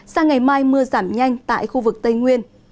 sang ngày mai mưa giảm nhanh tại khu vực tây nguyên